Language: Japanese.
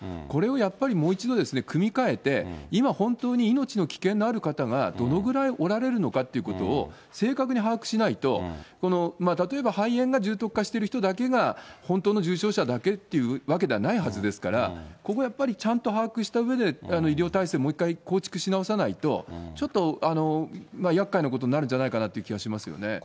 これをやっぱりもう一度組み替えて、今本当に命の危険のある方がどのぐらいおられるのかっていうことを正確に把握しないと、この例えば肺炎が重篤化している人だけが、本当の重症者だけっていうわけではないはずですから、ここはやっぱりちゃんと把握したうえで、医療体制、もう一回構築し直さないと、ちょっと厄介なことになるんじゃないかなという気はしますけどね。